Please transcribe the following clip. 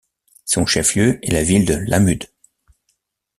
Son chef-lieu est la ville de Lámud.